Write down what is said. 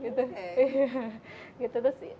oven di dalam kulkas